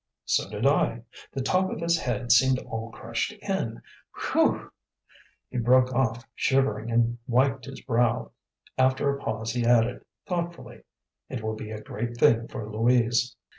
"So did I. The top of his head seemed all crushed in Whew!" He broke off, shivering, and wiped his brow. After a pause he added thoughtfully, "It will be a great thing for Louise."